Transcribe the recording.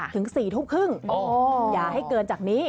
ถึง๔ทุ่มครึ่งอย่าให้เกินจากนี้